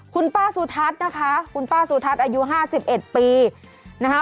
คุณป้าซูทัศน์นะคะคุณป้าซูทัศน์อายุห้าสิบเอ็ดปีนะคะ